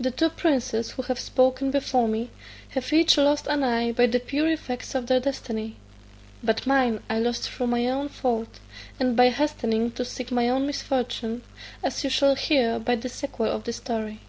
The two princes who have spoken before me have each lost an eye by the pure effects of their destiny, but mine I lost through my own fault, and by hastening to seek my own misfortune, as you shall hear by the sequel of the story.